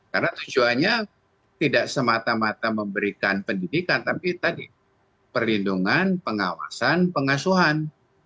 karena tujuannya tidak semata mata memberikan pendidikan tapi tadi perlindungan pengawasan pengasuhan